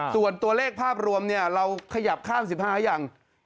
ส่วนตัวเลขภาพรวมเราขยับข้าม๑๕อย่าง